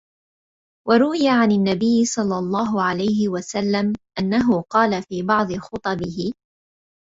وَرُوِيَ عَنْ النَّبِيِّ صَلَّى اللَّهُ عَلَيْهِ وَسَلَّمَ أَنَّهُ قَالَ فِي بَعْضِ خُطَبِهِ